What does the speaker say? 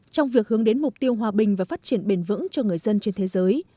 trong việc hướng đến mục tiêu hòa bình và phát triển bền vững cho người dân trên thế giới